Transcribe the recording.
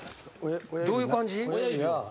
どういう感じ？